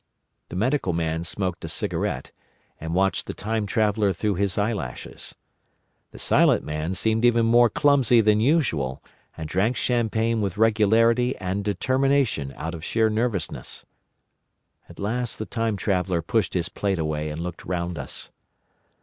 The Medical Man smoked a cigarette, and watched the Time Traveller through his eyelashes. The Silent Man seemed even more clumsy than usual, and drank champagne with regularity and determination out of sheer nervousness. At last the Time Traveller pushed his plate away, and looked round us.